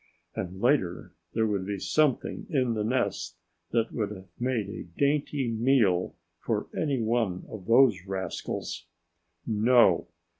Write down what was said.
And later there would be something in the nest that would have made a dainty meal for any one of those rascals. No!